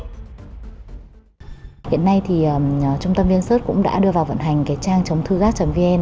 hiện nay thì trung tâm viên sớt cũng đã đưa vào vận hành trang chống thư gác vn